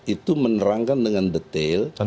itu menerangkan dengan detail